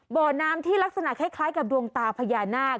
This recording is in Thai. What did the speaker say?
บ่อน้ำที่ลักษณะคล้ายกับดวงตาพญานาค